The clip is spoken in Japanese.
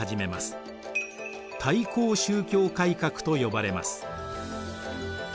対抗宗教改革と呼ばれます。